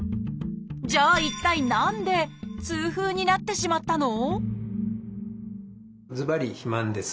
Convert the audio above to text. じゃあ一体何で痛風になってしまったの？